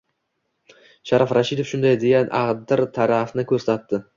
Sharof Rashidov shunday deya, adir tarafni ko‘rsatdi.